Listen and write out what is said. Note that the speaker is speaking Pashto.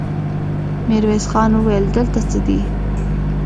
ميرويس خان وويل: دلته څه دي؟